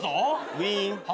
ウィーン。